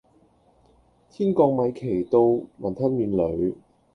天降米奇到雲吞麵裏